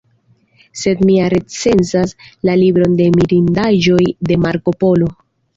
Sed mi ja recenzas La libron de mirindaĵoj de Marko Polo.